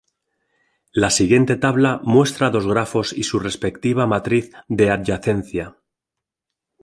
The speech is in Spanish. La siguiente tabla muestra dos grafos y su respectiva matriz de adyacencia.